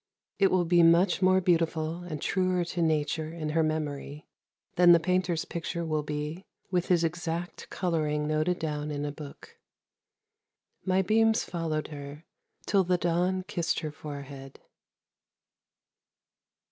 It will be much more beautiful and truer to nature in her memory than the painter's picture will be with his exact colouring noted down in a book. My beams followed her till the dawn kissed her forehead."